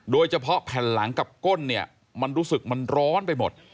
โดยเฉพาะแผ่นหลังกับก้นเนี่ยมันรู้สึกมันร้อนไปหมด